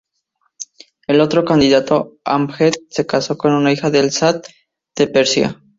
El otro candidato, Ahmed, se casó con una hija del sah de Persia.